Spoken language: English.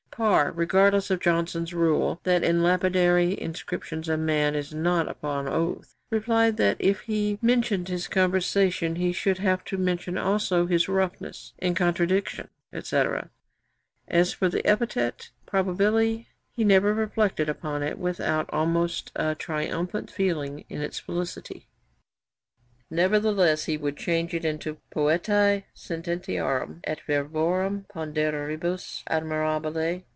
Parr, regardless of Johnson's rule that 'in lapidary inscriptions a man is not upon oath' (ante, ii. 407), replied, that if he mentioned his conversation he should have to mention also his roughness in contradiction, &c. As for the epithet probabili, he 'never reflected upon it without almost a triumphant feeling in its felicity.' Nevertheless he would change it into 'poetae sententiarum et verborum ponderibus admirabili.'